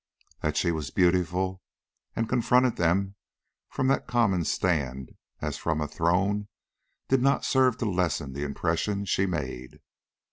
That she was beautiful and confronted them from that common stand as from a throne, did not serve to lessen the impression she made.